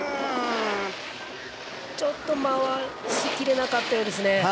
ちょっと回しきれなかったようですね。